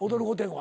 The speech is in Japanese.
は。